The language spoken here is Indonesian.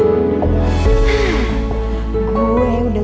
gua udah jadi orang kaya